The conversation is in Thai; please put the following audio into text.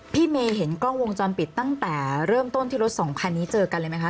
เมย์เห็นกล้องวงจรปิดตั้งแต่เริ่มต้นที่รถสองคันนี้เจอกันเลยไหมคะ